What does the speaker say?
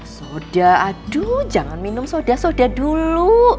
soda aduh jangan minum soda soda dulu